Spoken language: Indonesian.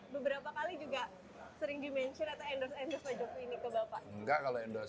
beberapa kali juga sering dimensur atau endorse endorse